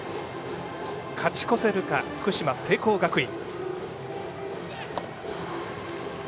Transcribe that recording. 勝ち越せるか、福島、聖光学院。